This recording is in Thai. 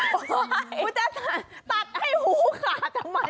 คุณจะตัดให้หูขาดทำไม